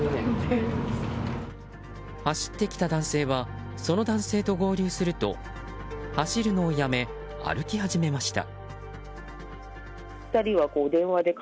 走ってきた男性はその男性と合流すると走るのをやめ、歩き始めました。